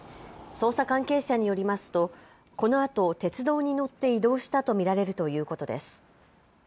捜査関係者によりますとこのあと鉄道に乗って移動したと見られるということです。